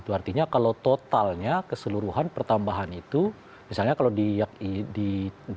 itu artinya kalau totalnya keseluruhan pertambahan itu misalnya kalau diiakan gitu